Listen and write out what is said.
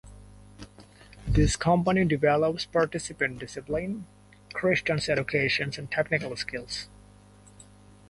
This company develops participant's discipline, Christian education and technical skills.